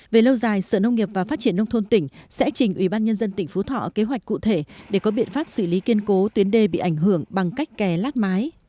về lâu dài sở nông nghiệp và phát triển nông thôn tỉnh sẽ trình ủy ban nhân dân tỉnh phú thọ kế hoạch cụ thể để có biện pháp xử lý kiên cố tuyến đê bị ảnh hưởng bằng cách kè lát mái